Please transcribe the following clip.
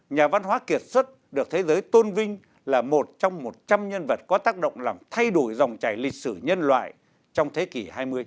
nhà văn hóa kiệt xuất được thế giới tôn vinh là một trong một trăm linh nhân vật có tác động làm thay đổi dòng trải lịch sử nhân loại trong thế kỷ hai mươi